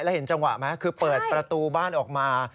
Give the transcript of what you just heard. เราเห็นจังหวะมั้ยคือเปิดประตูบ้านออกมา